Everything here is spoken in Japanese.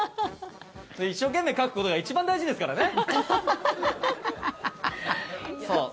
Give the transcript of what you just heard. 一生懸命描くことが一番大事ですからね。